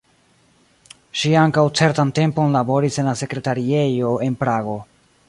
Ŝi ankaŭ certan tempon laboris en la sekretariejo en Prago.